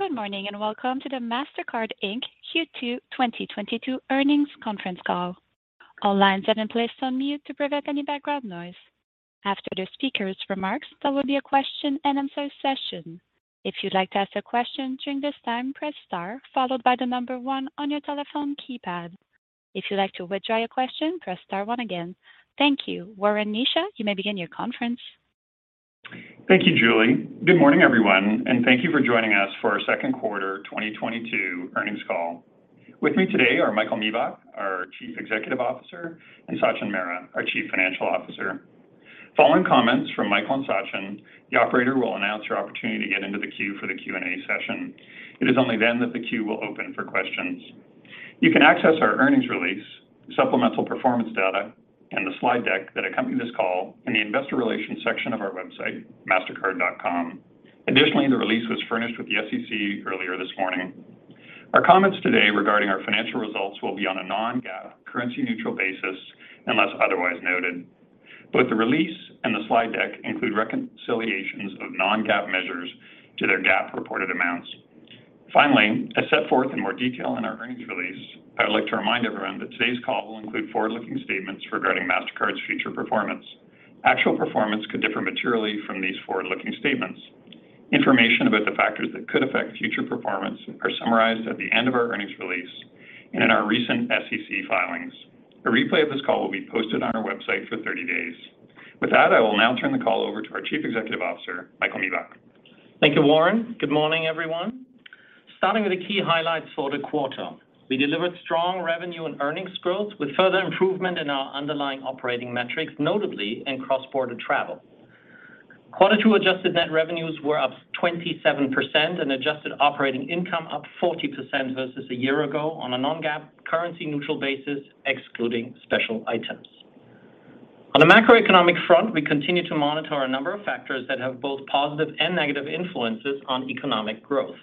Good morning, and welcome to the Mastercard Inc. Q2 2022 Earnings Conference Call. All lines have been placed on mute to prevent any background noise. After the speakers' remarks, there will be a question and answer session. If you'd like to ask a question during this time, press star followed by the number one on your telephone keypad. If you'd like to withdraw your question, press star one again. Thank you. Warren Kneeshaw, you may begin your conference. Thank you, Julie. Good morning, everyone, and thank you for joining us for our second quarter 2022 earnings call. With me today are Michael Miebach, our Chief Executive Officer, and Sachin Mehra, our Chief Financial Officer. Following comments from Michael and Sachin, the operator will announce your opportunity to get into the queue for the Q&A session. It is only then that the queue will open for questions. You can access our earnings release, supplemental performance data, and the slide deck that accompany this call in the investor relations section of our website, investor.mastercard.com. Additionally, the release was furnished with the SEC earlier this morning. Our comments today regarding our financial results will be on a non-GAAP currency neutral basis, unless otherwise noted. Both the release and the slide deck include reconciliations of non-GAAP measures to their GAAP reported amounts. Finally, as set forth in more detail in our earnings release, I would like to remind everyone that today's call will include forward-looking statements regarding Mastercard's future performance. Actual performance could differ materially from these forward-looking statements. Information about the factors that could affect future performance are summarized at the end of our earnings release and in our recent SEC filings. A replay of this call will be posted on our website for 30 days. With that, I will now turn the call over to our Chief Executive Officer, Michael Miebach. Thank you, Warren. Good morning, everyone. Starting with the key highlights for the quarter. We delivered strong revenue and earnings growth with further improvement in our underlying operating metrics, notably in cross-border travel. Q2 adjusted net revenues were up 27% and adjusted operating income up 40% versus a year ago on a non-GAAP currency neutral basis, excluding special items. On a macroeconomic front, we continue to monitor a number of factors that have both positive and negative influences on economic growth.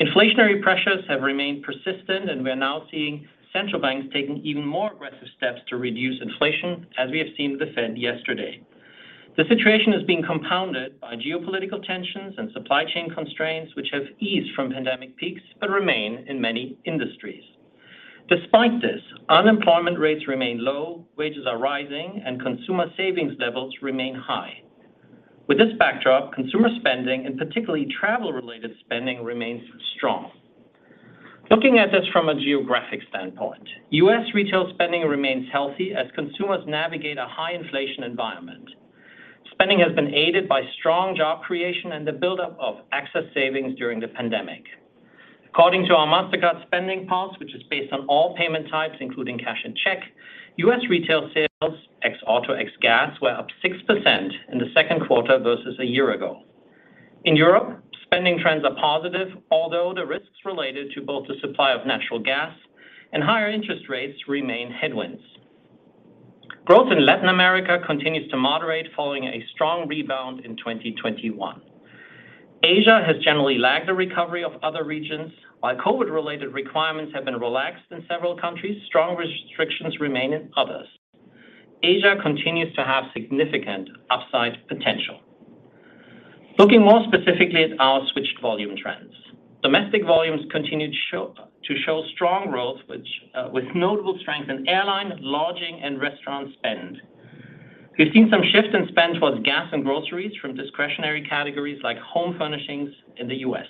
Inflationary pressures have remained persistent, and we are now seeing central banks taking even more aggressive steps to reduce inflation, as we have seen with the Fed yesterday. The situation is being compounded by geopolitical tensions and supply chain constraints, which have eased from pandemic peaks, but remain in many industries. Despite this, unemployment rates remain low, wages are rising, and consumer savings levels remain high. With this backdrop, consumer spending and particularly travel-related spending remains strong. Looking at this from a geographic standpoint, U.S. retail spending remains healthy as consumers navigate a high inflation environment. Spending has been aided by strong job creation and the buildup of excess savings during the pandemic. According to our Mastercard SpendingPulse, which is based on all payment types, including cash and check, U.S. retail sales, ex auto, ex gas, were up 6% in the second quarter versus a year ago. In Europe, spending trends are positive, although the risks related to both the supply of natural gas and higher interest rates remain headwinds. Growth in Latin America continues to moderate following a strong rebound in 2021. Asia has generally lagged the recovery of other regions. While COVID-related requirements have been relaxed in several countries, strong restrictions remain in others. Asia continues to have significant upside potential. Looking more specifically at our switched volume trends. Domestic volumes continued to show strong growth which, with notable strength in airline, lodging, and restaurant spend. We've seen some shift in spend towards gas and groceries from discretionary categories like home furnishings in the U.S.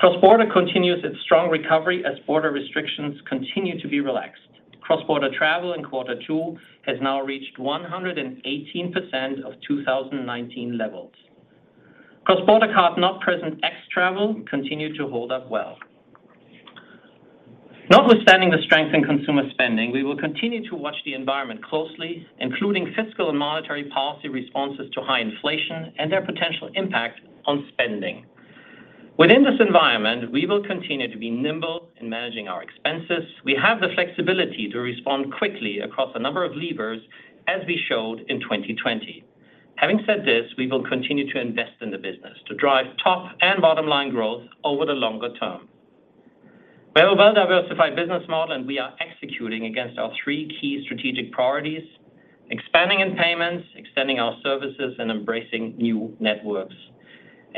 Cross-border continues its strong recovery as border restrictions continue to be relaxed. Cross-border travel in quarter two has now reached 118% of 2019 levels. Cross-border card not present ex travel continued to hold up well. Notwithstanding the strength in consumer spending, we will continue to watch the environment closely, including fiscal and monetary policy responses to high inflation and their potential impact on spending. Within this environment, we will continue to be nimble in managing our expenses. We have the flexibility to respond quickly across a number of levers as we showed in 2020. Having said this, we will continue to invest in the business to drive top and bottom line growth over the longer term. We have a well-diversified business model, and we are executing against our three key strategic priorities, expanding in payments, extending our services, and embracing new networks.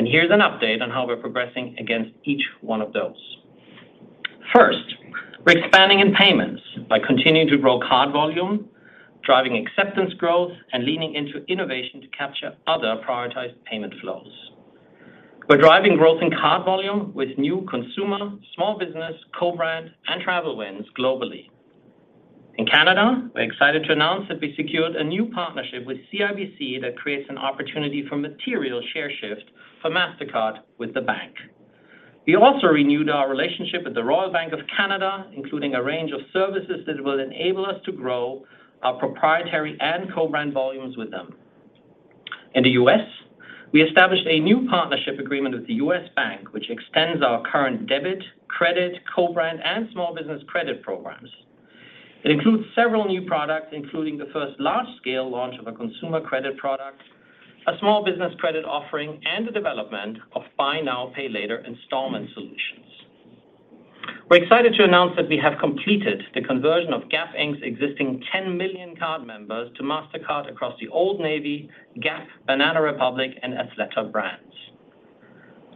Here's an update on how we're progressing against each one of those. First, we're expanding in payments by continuing to grow card volume, driving acceptance growth, and leaning into innovation to capture other prioritized payment flows. We're driving growth in card volume with new consumer, small business, co-brand, and travel wins globally. In Canada, we're excited to announce that we secured a new partnership with CIBC that creates an opportunity for material share shift for Mastercard with the bank. We also renewed our relationship with the Royal Bank of Canada, including a range of services that will enable us to grow our proprietary and co-brand volumes with them. In the U.S., we established a new partnership agreement with the U.S. Bank, which extends our current debit, credit, co-brand, and small business credit programs. It includes several new products, including the first large scale launch of a consumer credit product, a small business credit offering, and the development of Buy Now, Pay Later installment solutions. We're excited to announce that we have completed the conversion of Gap Inc.'s existing 10 million card members to Mastercard across the Old Navy, Gap, Banana Republic, and Athleta brands.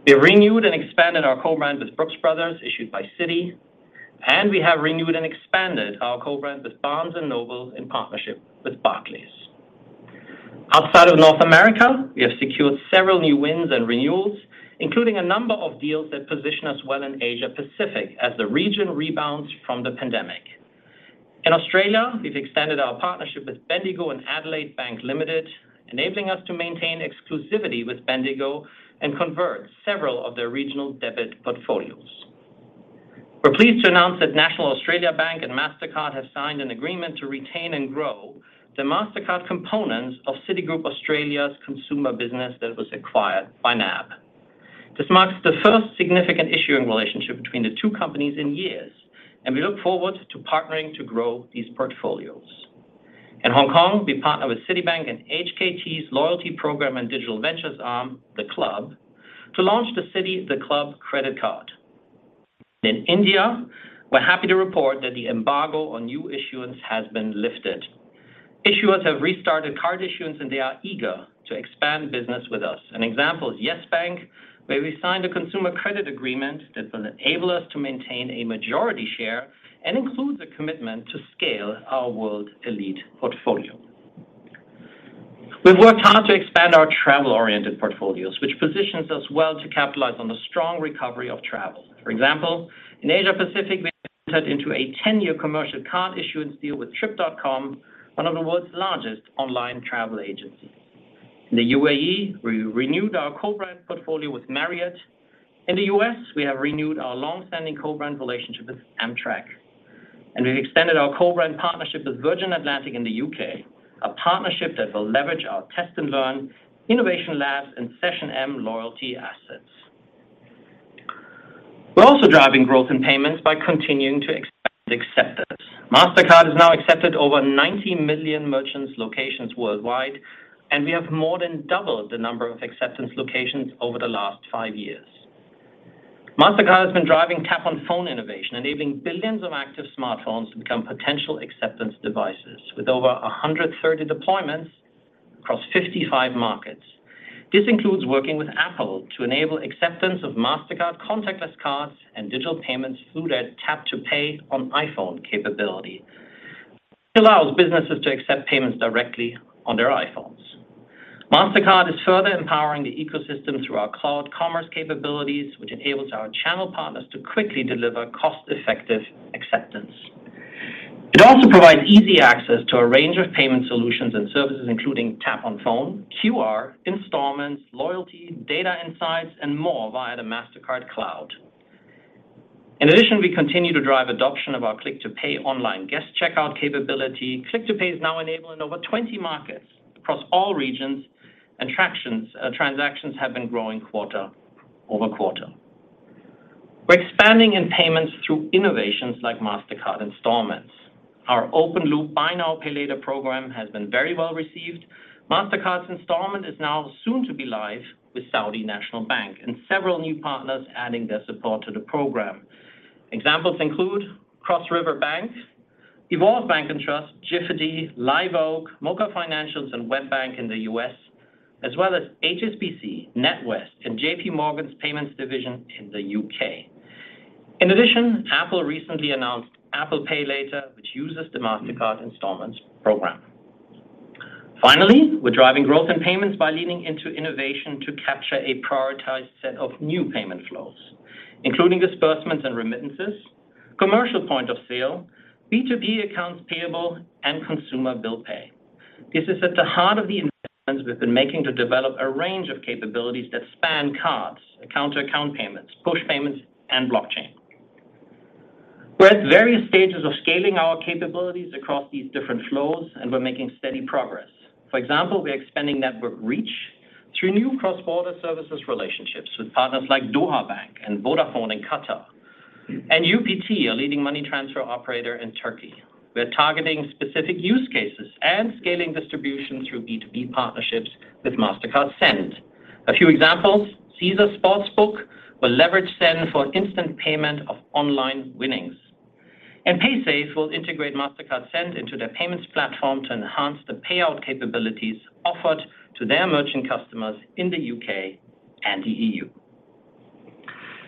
We have renewed and expanded our co-brand with Brooks Brothers issued by Citi, and we have renewed and expanded our co-brand with Barnes & Noble in partnership with Barclays. Outside of North America, we have secured several new wins and renewals, including a number of deals that position us well in Asia-Pacific as the region rebounds from the pandemic. In Australia, we've extended our partnership with Bendigo and Adelaide Bank Limited, enabling us to maintain exclusivity with Bendigo and convert several of their regional debit portfolios. We're pleased to announce that National Australia Bank and Mastercard have signed an agreement to retain and grow the Mastercard components of Citigroup Australia's consumer business that was acquired by NAB. This marks the first significant issuing relationship between the two companies in years, and we look forward to partnering to grow these portfolios. In Hong Kong, we partner with Citibank and HKT's loyalty program and digital ventures arm, The Club, to launch the Citi The Club Credit Card. In India, we're happy to report that the embargo on new issuance has been lifted. Issuers have restarted card issuance, and they are eager to expand business with us. An example is Yes Bank, where we signed a consumer credit agreement that will enable us to maintain a majority share and includes a commitment to scale our World Elite portfolio. We've worked hard to expand our travel-oriented portfolios, which positions us well to capitalize on the strong recovery of travel. For example, in Asia-Pacific, we entered into a 10-year commercial card issuance deal with Trip.com, one of the world's largest online travel agencies. In the U.A.E., we renewed our co-brand portfolio with Marriott. In the U.S., we have renewed our long-standing co-brand relationship with Amtrak. We've extended our co-brand partnership with Virgin Atlantic in the U.K. A partnership that will leverage our Test & Learn innovation labs and SessionM loyalty assets. We're also driving growth in payments by continuing to expand acceptance. Mastercard is now accepted over 90 million merchant locations worldwide, and we have more than doubled the number of acceptance locations over the last five years. Mastercard has been driving Tap on Phone innovation, enabling billions of active smartphones to become potential acceptance devices with over 130 deployments across 55 markets. This includes working with Apple to enable acceptance of Mastercard contactless cards and digital payments through their Tap to Pay on iPhone capability. It allows businesses to accept payments directly on their iPhones. Mastercard is further empowering the ecosystem through our cloud commerce capabilities, which enables our channel partners to quickly deliver cost-effective acceptance. It also provides easy access to a range of payment solutions and services, including Tap on Phone, QR, installments, loyalty, data insights, and more via the Mastercard Cloud. In addition, we continue to drive adoption of our Click to Pay online guest checkout capability. Click to Pay is now enabled in over 20 markets across all regions, and transactions have been growing quarter-over-quarter. We're expanding in payments through innovations like Mastercard Installments. Our open loop buy now, pay later program has been very well-received. Mastercard's Installments is now soon to be live with Saudi National Bank and several new partners adding their support to the program. Examples include Cross River Bank, Evolve Bank & Trust, Jifiti, Live Oak Bank, MOCA Financial, and WebBank in the U.S., as well as HSBC, NatWest, and JPMorgan's payments division in the U.K. In addition, Apple recently announced Apple Pay Later, which uses the Mastercard Installments program. Finally, we're driving growth in payments by leaning into innovation to capture a prioritized set of new payment flows, including disbursements and remittances, commercial point of sale, B2B accounts payable, and consumer bill pay. This is at the heart of the investments we've been making to develop a range of capabilities that span cards, account-to-account payments, push payments, and blockchain. We're at various stages of scaling our capabilities across these different flows, and we're making steady progress. For example, we're expanding network reach through new cross-border services relationships with partners like Doha Bank and Vodafone in Qatar, and UPT, a leading money transfer operator in Turkey. We're targeting specific use cases and scaling distribution through B2B partnerships with Mastercard Send. A few examples, Caesars Sportsbook will leverage Send for instant payment of online winnings. Paysafe will integrate Mastercard Send into their payments platform to enhance the payout capabilities offered to their merchant customers in the U.K. and the E.U.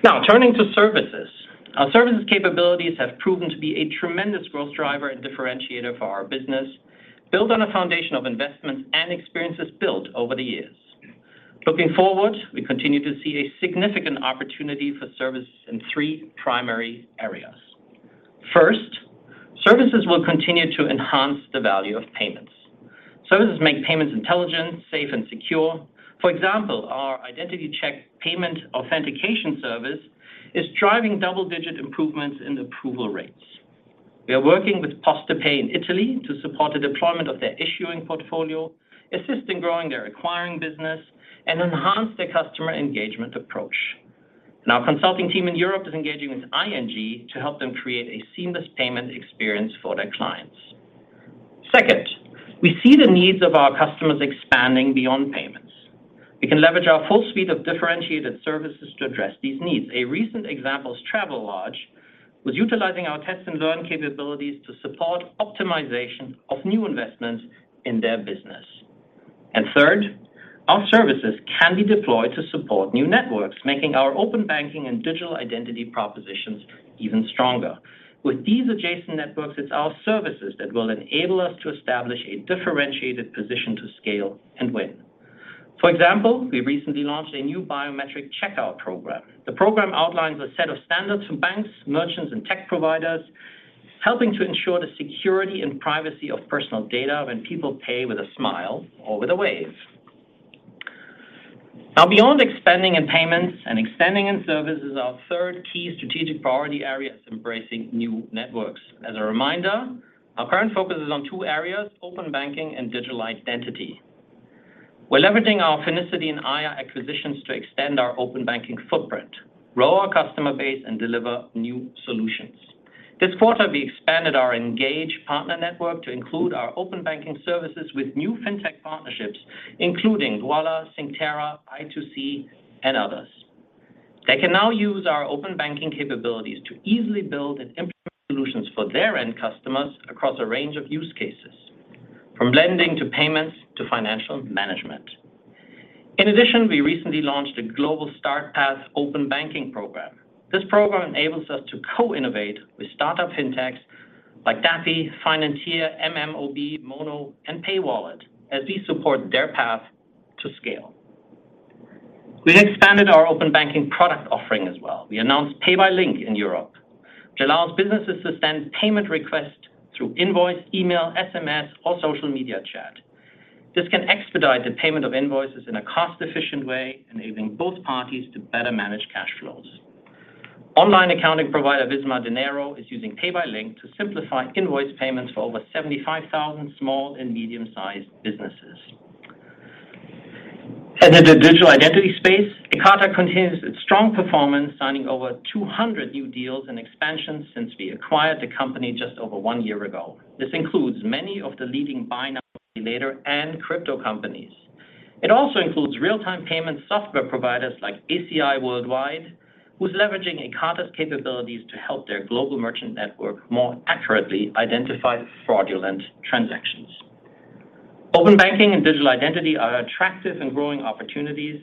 Now turning to services. Our services capabilities have proven to be a tremendous growth driver and differentiator for our business, built on a foundation of investments and experiences built over the years. Looking forward, we continue to see a significant opportunity for service in three primary areas. First, services will continue to enhance the value of payments. Services make payments intelligent, safe, and secure. For example, our Identity Check payment authentication service is driving double-digit improvements in approval rates. We are working with PostePay in Italy to support the deployment of their issuing portfolio, assist in growing their acquiring business, and enhance their customer engagement approach. Our consulting team in Europe is engaging with ING to help them create a seamless payment experience for their clients. Second, we see the needs of our customers expanding beyond payments. We can leverage our full suite of differentiated services to address these needs. A recent example is Travelodge was utilizing our Test & Learn capabilities to support optimization of new investments in their business. Third, our services can be deployed to support new networks, making our open banking and digital identity propositions even stronger. With these adjacent networks, it's our services that will enable us to establish a differentiated position to scale and win. For example, we recently launched a new biometric checkout program. The program outlines a set of standards for banks, merchants, and tech providers, helping to ensure the security and privacy of personal data when people pay with a smile or with a wave. Now, beyond expanding in payments and expanding in services, our third key strategic priority area is embracing new networks. As a reminder, our current focus is on two areas, open banking and digital identity. We're leveraging our Finicity and Aiia acquisitions to extend our open banking footprint, grow our customer base, and deliver new solutions. This quarter, we expanded our Engage partner network to include our open banking services with new fintech partnerships, including Dwolla, Synctera, i2c, and others. They can now use our open banking capabilities to easily build and implement solutions for their end customers across a range of use cases, from lending to payments to financial management. In addition, we recently launched a global Start Path open banking program. This program enables us to co-innovate with startup fintechs like Daffy, Finantier, mmob, Mono, and Payall as we support their path to scale. We expanded our open banking product offering as well. We announced Pay by Link in Europe, which allows businesses to send payment requests through invoice, email, SMS, or social media chat. This can expedite the payment of invoices in a cost-efficient way, enabling both parties to better manage cash flows. Online accounting provider Visma Dinero is using Pay by Link to simplify invoice payments for over 75,000 small and medium-sized businesses. In the digital identity space, Ekata continues its strong performance, signing over 200 new deals and expansions since we acquired the company just over one year ago. This includes many of the leading Buy Now, Pay Later and crypto companies. It also includes real-time payment software providers like ACI Worldwide, who's leveraging Ekata's capabilities to help their global merchant network more accurately identify fraudulent transactions. Open banking and digital identity are attractive and growing opportunities,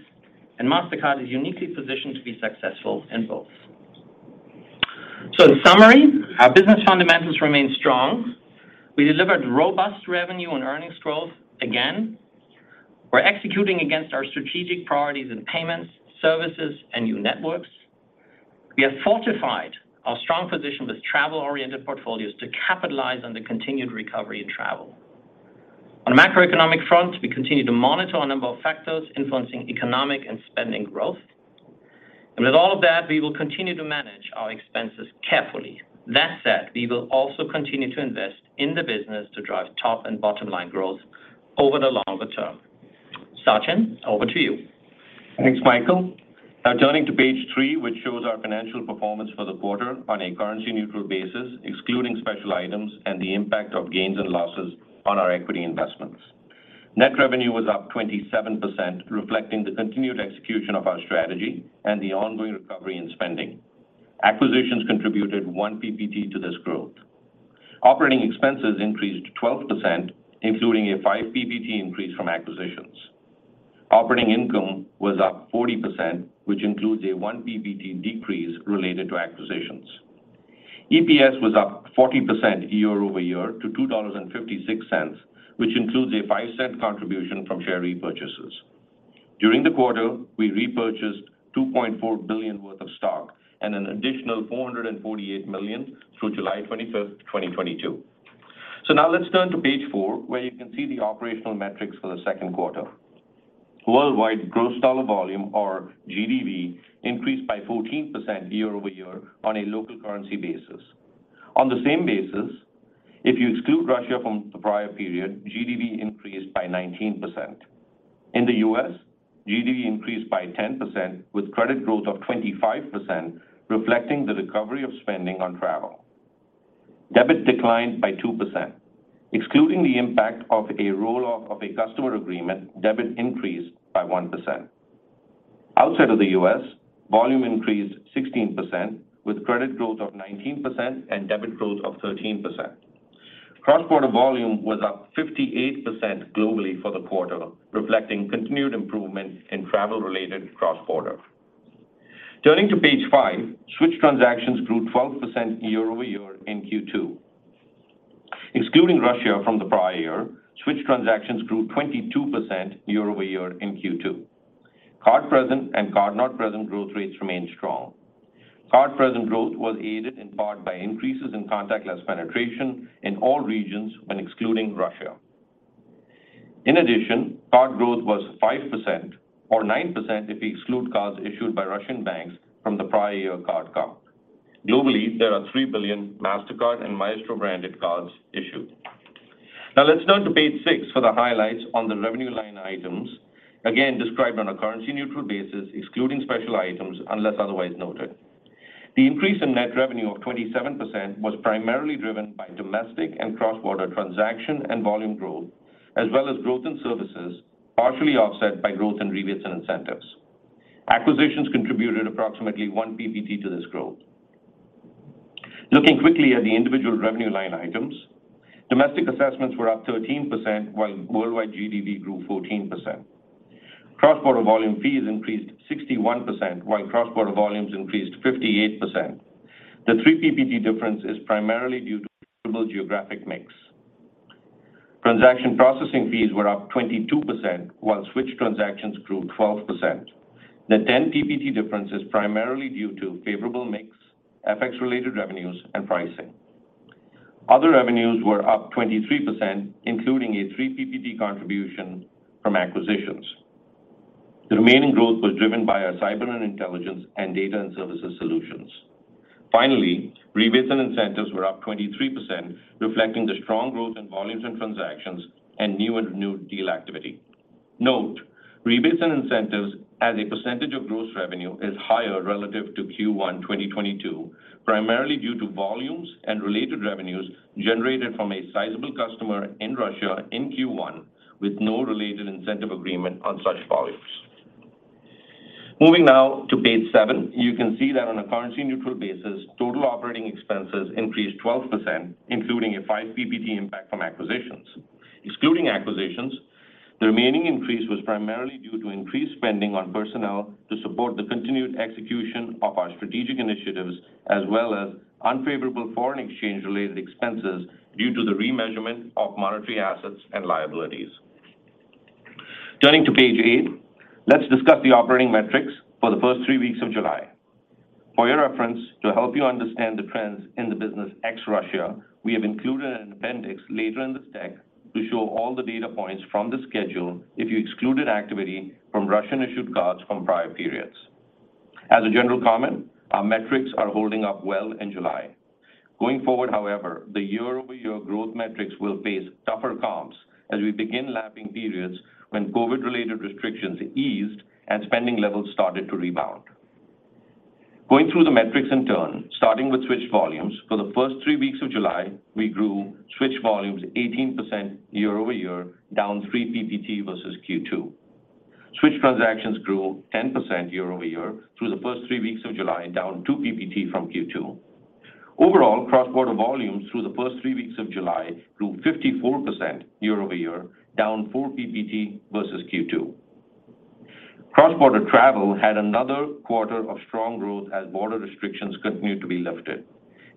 and Mastercard is uniquely positioned to be successful in both. In summary, our business fundamentals remain strong. We delivered robust revenue and earnings growth again. We're executing against our strategic priorities in payments, services, and new networks. We have fortified our strong position with travel-oriented portfolios to capitalize on the continued recovery in travel. On a macroeconomic front, we continue to monitor a number of factors influencing economic and spending growth. With all of that, we will continue to manage our expenses carefully. That said, we will also continue to invest in the business to drive top and bottom line growth over the longer term. Sachin, over to you. Thanks, Michael. Now turning to page three, which shows our financial performance for the quarter on a currency neutral basis, excluding special items and the impact of gains and losses on our equity investments. Net revenue was up 27%, reflecting the continued execution of our strategy and the ongoing recovery in spending. Acquisitions contributed 1 PPT to this growth. Operating expenses increased 12%, including a 5 PPT increase from acquisitions. Operating income was up 40%, which includes a 1 PPT decrease related to acquisitions. EPS was up 40% year over year to $2.56, which includes a $0.05 contribution from share repurchases. During the quarter, we repurchased $2.4 billion worth of stock and an additional $448 million through July 25th, 2022. Now let's turn to page four, where you can see the operational metrics for the second quarter. Worldwide gross dollar volume or GDV increased by 14% year-over-year on a local currency basis. On the same basis, if you exclude Russia from the prior period, GDV increased by 19%. In the U.S., GDV increased by 10%, with credit growth of 25%, reflecting the recovery of spending on travel. Debit declined by 2%. Excluding the impact of a roll-off of a customer agreement, debit increased by 1%. Outside of the U.S., volume increased 16%, with credit growth of 19% and debit growth of 13%. Cross-border volume was up 58% globally for the quarter, reflecting continued improvement in travel-related cross-border. Turning to page five, switch transactions grew 12% year-over-year in Q2. Excluding Russia from the prior year, switch transactions grew 22% year-over-year in Q2. Card present and card not present growth rates remain strong. Card present growth was aided in part by increases in contactless penetration in all regions when excluding Russia. In addition, card growth was 5% or 9% if we exclude cards issued by Russian banks from the prior year card comp. Globally, there are 3 billion Mastercard and Maestro branded cards issued. Now let's turn to page six for the highlights on the revenue line items, again described on a currency neutral basis, excluding special items unless otherwise noted. The increase in net revenue of 27% was primarily driven by domestic and cross-border transaction and volume growth, as well as growth in services, partially offset by growth in rebates and incentives. Acquisitions contributed approximately 1 PPT to this growth. Looking quickly at the individual revenue line items, domestic assessments were up 13% while worldwide GDV grew 14%. Cross-border volume fees increased 61% while cross-border volumes increased 58%. The 3 PPT difference is primarily due to favorable geographic mix. Transaction processing fees were up 22% while switch transactions grew 12%. The 10 PPT difference is primarily due to favorable mix, FX-related revenues, and pricing. Other revenues were up 23%, including a 3 PPT contribution from acquisitions. The remaining growth was driven by our cyber and intelligence and data and services solutions. Finally, rebates and incentives were up 23%, reflecting the strong growth in volumes and transactions and new and renewed deal activity. Note, rebates and incentives as a percentage of gross revenue is higher relative to Q1 2022, primarily due to volumes and related revenues generated from a sizable customer in Russia in Q1 with no related incentive agreement on such volumes. Moving now to page seven, you can see that on a currency-neutral basis, total operating expenses increased 12%, including a 5 PPT impact from acquisitions. Excluding acquisitions, the remaining increase was primarily due to increased spending on personnel to support the continued execution of our strategic initiatives as well as unfavorable foreign exchange-related expenses due to the remeasurement of monetary assets and liabilities. Turning to page eight, let's discuss the operating metrics for the first three weeks of July. For your reference, to help you understand the trends in the business ex Russia, we have included an appendix later in this deck to show all the data points from the schedule if you excluded activity from Russian-issued cards from prior periods. As a general comment, our metrics are holding up well in July. Going forward, however, the year-over-year growth metrics will face tougher comps as we begin lapping periods when COVID-related restrictions eased and spending levels started to rebound. Going through the metrics in turn, starting with switch volumes, for the first three weeks of July, we grew switch volumes 18% year-over-year, down 3 PPT versus Q2. Switch transactions grew 10% year-over-year through the first three weeks of July, down 2 PPT from Q2. Overall, cross-border volumes through the first three weeks of July grew 54% year-over-year, down 4 PPT versus Q2. Cross-border travel had another quarter of strong growth as border restrictions continued to be lifted.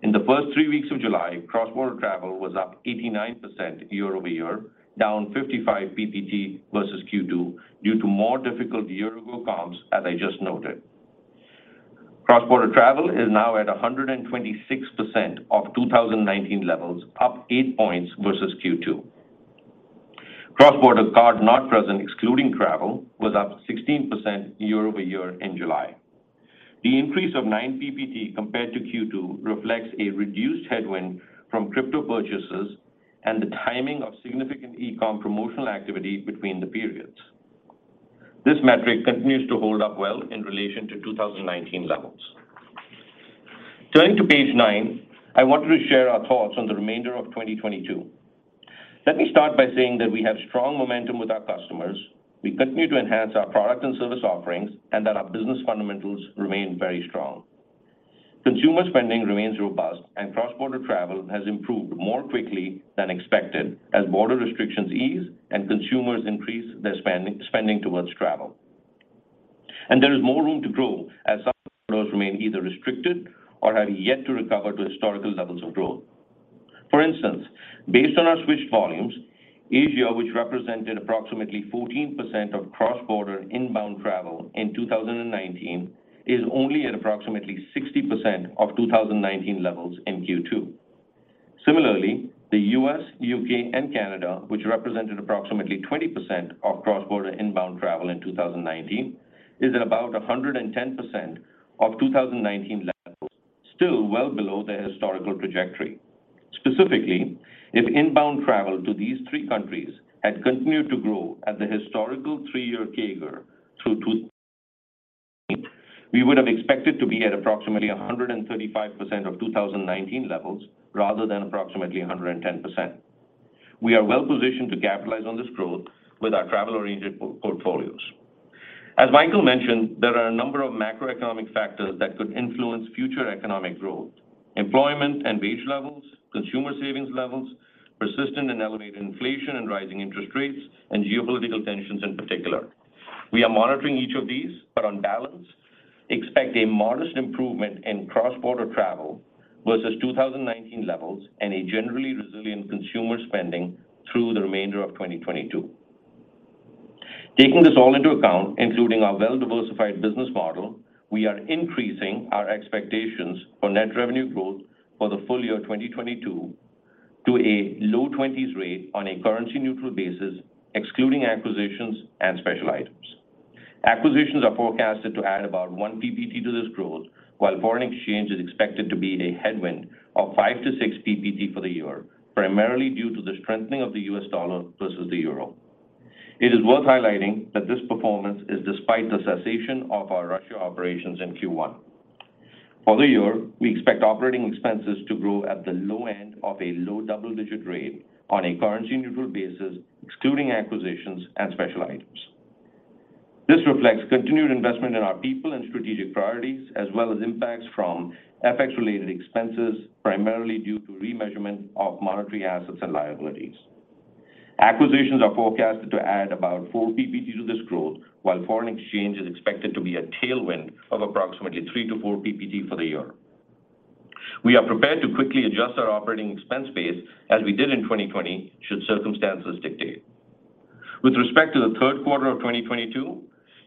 In the first three weeks of July, cross-border travel was up 89% year-over-year, down 55 PPT versus Q2 due to more difficult year-ago comps as I just noted. Cross-border travel is now at 126% of 2019 levels, up 8 points versus Q2. Cross-border card not present, excluding travel, was up 16% year-over-year in July. The increase of 9 PPT compared to Q2 reflects a reduced headwind from crypto purchases and the timing of significant e-com promotional activity between the periods. This metric continues to hold up well in relation to 2019 levels. Turning to page nine, I wanted to share our thoughts on the remainder of 2022. Let me start by saying that we have strong momentum with our customers. We continue to enhance our product and service offerings and that our business fundamentals remain very strong. Consumer spending remains robust and cross-border travel has improved more quickly than expected as border restrictions ease and consumers increase their spending towards travel. There is more room to grow as some of those remain either restricted or have yet to recover to historical levels of growth. For instance, based on our switch volumes, Asia, which represented approximately 14% of cross-border inbound travel in 2019, is only at approximately 60% of 2019 levels in Q2. Similarly, the U.S., U.K., and Canada, which represented approximately 20% of cross-border inbound travel in 2019, is at about 110% of 2019 levels, still well below their historical trajectory. Specifically, if inbound travel to these three countries had continued to grow at the historical three-year CAGR through 2022, we would have expected to be at approximately 135% of 2019 levels rather than approximately 110%. We are well-positioned to capitalize on this growth with our travel-oriented portfolios. As Michael mentioned, there are a number of macroeconomic factors that could influence future economic growth. Employment and wage levels, consumer savings levels, persistent and elevated inflation and rising interest rates, and geopolitical tensions in particular. We are monitoring each of these, but on balance, expect a modest improvement in cross-border travel versus 2019 levels and a generally resilient consumer spending through the remainder of 2022. Taking this all into account, including our well-diversified business model, we are increasing our expectations for net revenue growth for the full year 2022 to a low 20s rate on a currency-neutral basis, excluding acquisitions and special items. Acquisitions are forecasted to add about 1 PPT to this growth while foreign exchange is expected to be a headwind of 5 PPT-6 PPT for the year, primarily due to the strengthening of the U.S. dollar versus the euro. It is worth highlighting that this performance is despite the cessation of our Russia operations in Q1. For the year, we expect operating expenses to grow at the low end of a low double-digit rate on a currency-neutral basis, excluding acquisitions and special items. This reflects continued investment in our people and strategic priorities, as well as impacts from FX-related expenses, primarily due to remeasurement of monetary assets and liabilities. Acquisitions are forecasted to add about 4 PPT to this growth, while foreign exchange is expected to be a tailwind of approximately 3 PPT-4 PPT for the year. We are prepared to quickly adjust our operating expense base as we did in 2020 should circumstances dictate. With respect to the third quarter of 2022,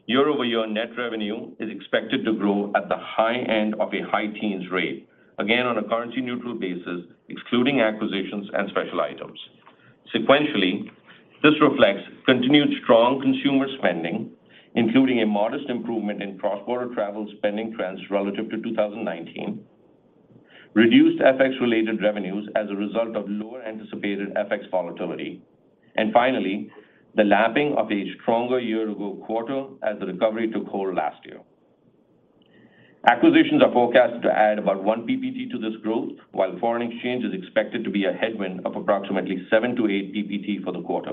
year-over-year net revenue is expected to grow at the high end of a high-teens rate, again, on a currency-neutral basis, excluding acquisitions and special items. Sequentially, this reflects continued strong consumer spending, including a modest improvement in cross-border travel spending trends relative to 2019. Reduced FX-related revenues as a result of lower anticipated FX volatility. Finally, the lapping of a stronger year-ago quarter as the recovery took hold last year. Acquisitions are forecasted to add about 1 PPT to this growth, while foreign exchange is expected to be a headwind of approximately 7 PPT-8 PPT for the quarter.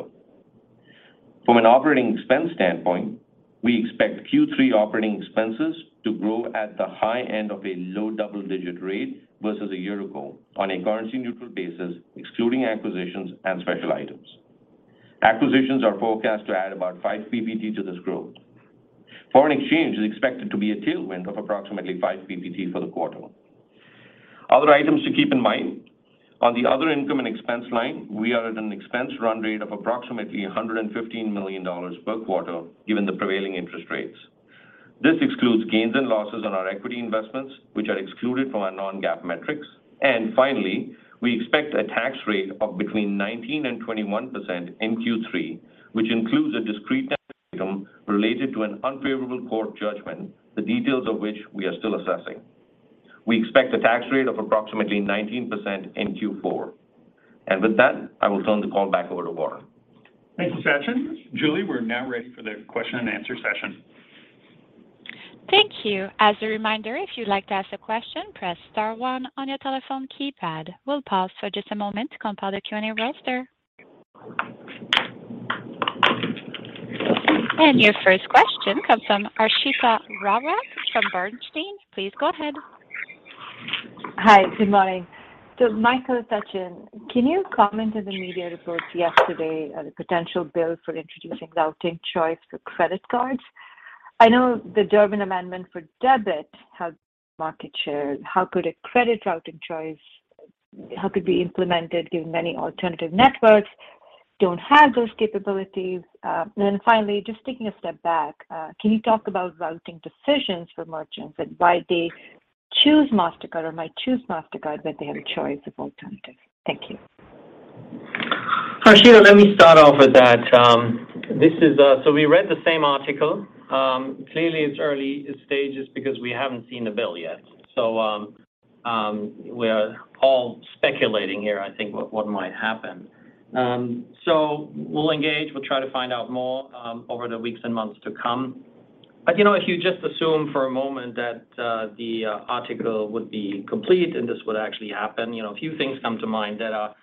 From an operating expense standpoint, we expect Q3 operating expenses to grow at the high end of a low double-digit rate versus a year ago on a currency-neutral basis, excluding acquisitions and special items. Acquisitions are forecast to add about 5 PPT to this growth. Foreign exchange is expected to be a tailwind of approximately 5 PPT for the quarter. Other items to keep in mind, on the other income and expense line, we are at an expense run rate of approximately $115 million per quarter given the prevailing interest rates. This excludes gains and losses on our equity investments, which are excluded from our non-GAAP metrics. Finally, we expect a tax rate of between 19% and 21% in Q3, which includes a discrete tax item related to an unfavorable court judgment, the details of which we are still assessing. We expect a tax rate of approximately 19% in Q4. With that, I will turn the call back over to Warren. Thanks, Sachin. Julie, we're now ready for the question and answer session. Thank you. As a reminder, if you'd like to ask a question, press star one on your telephone keypad. We'll pause for just a moment to compile the Q&A roster. Your first question comes from Harshita Rawat from Bernstein. Please go ahead. Hi. Good morning. Michael, Sachin, can you comment on the media reports yesterday on the potential bill for introducing routing choice for credit cards? I know the Durbin Amendment for debit has market share. How could a credit routing choice be implemented given many alternative networks don't have those capabilities? And then finally, just taking a step back, can you talk about routing decisions for merchants and why they choose Mastercard or might choose Mastercard when they have a choice of alternatives? Thank you. Harshita, let me start off with that. We read the same article. Clearly it's early stages because we haven't seen the bill yet. We're all speculating here, I think, what might happen. We'll engage. We'll try to find out more over the weeks and months to come. You know, if you just assume for a moment that the article would be complete and this would actually happen, you know, a few things come to mind that are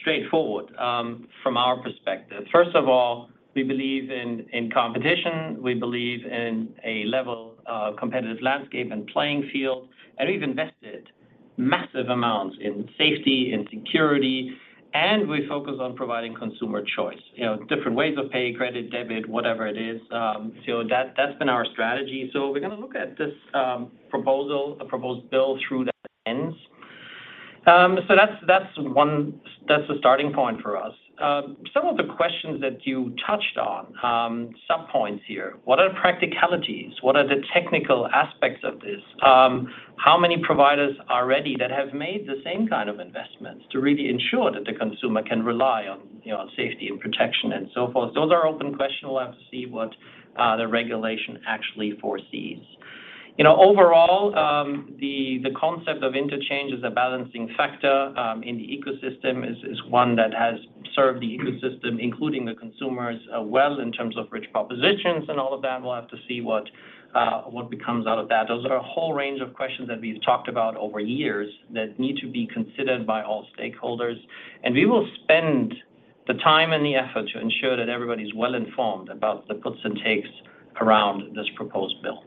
straightforward from our perspective. First of all, we believe in competition. We believe in a level competitive landscape and playing field. We've invested massive amounts in safety and security, and we focus on providing consumer choice, you know, different ways of paying, credit, debit, whatever it is. That's been our strategy. We're gonna look at this proposal, a proposed bill through the lens. That's the starting point for us. Some of the questions that you touched on, some points here. What are the practicalities? What are the technical aspects of this? How many providers are ready that have made the same kind of investments to really ensure that the consumer can rely on, you know, on safety and protection and so forth? Those are open questions. We'll have to see what the regulation actually foresees. You know, overall, the concept of interchange as a balancing factor in the ecosystem is one that has served the ecosystem, including the consumers, well in terms of rich propositions and all of that. We'll have to see what becomes out of that. Those are a whole range of questions that we've talked about over years that need to be considered by all stakeholders. We will spend the time and the effort to ensure that everybody's well informed about the puts and takes around this proposed bill.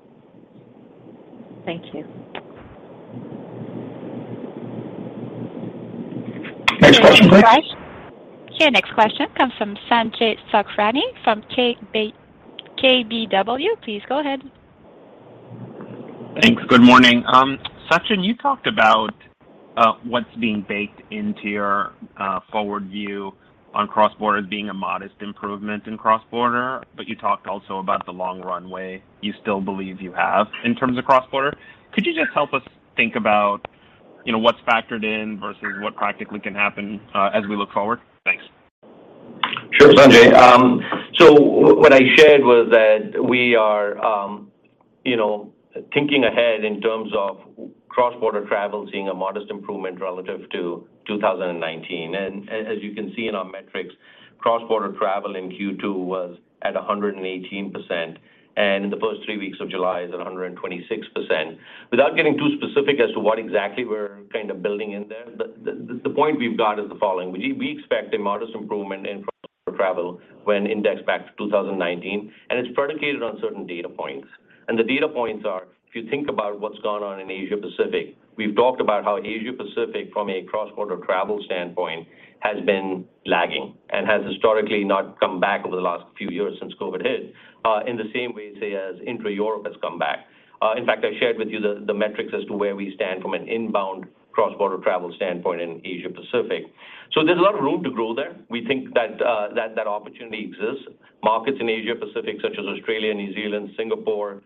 Thank you. Next question, please. Sure. Next question comes from Sanjay Sakhrani from KBW. Please go ahead. Thanks. Good morning. Sachin, you talked about what's being baked into your forward view on cross-border as being a modest improvement in cross-border, but you talked also about the long runway you still believe you have in terms of cross-border. Could you just help us think about, you know, what's factored in versus what practically can happen as we look forward? Thanks. Sure, Sanjay. What I shared was that you know, thinking ahead in terms of cross-border travel seeing a modest improvement relative to 2019. As you can see in our metrics, cross-border travel in Q2 was at 118%, and in the first three weeks of July is at 126%. Without getting too specific as to what exactly we're kind of building in there, the point we've got is the following. We expect a modest improvement in cross-border travel when indexed back to 2019, and it's predicated on certain data points. The data points are, if you think about what's gone on in Asia Pacific, we've talked about how Asia Pacific from a cross-border travel standpoint has been lagging and has historically not come back over the last few years since COVID hit, in the same way, say, as intra-Europe has come back. In fact, I shared with you the metrics as to where we stand from an inbound cross-border travel standpoint in Asia Pacific. There's a lot of room to grow there. We think that opportunity exists. Markets in Asia Pacific such as Australia, New Zealand, Singapore,